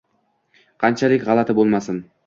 Qanchalik g‘alati bo‘lmasin